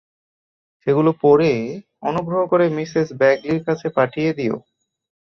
সেগুলো পড়ে অনুগ্রহ করে মিসেস ব্যাগলির কাছে পাঠিয়ে দিও।